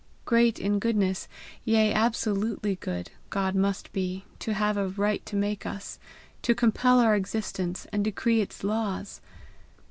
Great in goodness, yea absolutely good, God must be, to have a right to make us to compel our existence, and decree its laws!